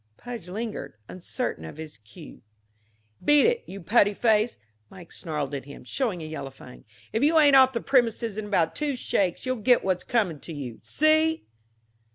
Pudge lingered, uncertain of his cue. "Beat it, you putty face!" Mike snarled at him, showing a yellow fang. "If you ain't off the premises in about two shakes, you'll get what's comin' to you. See?"